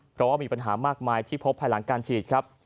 เพราะว่ามีปัญหามากมายที่พบภายหลังการฉีดครับ